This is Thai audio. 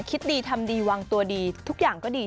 คิดดีทำดีวางตัวดีทุกอย่างก็ดี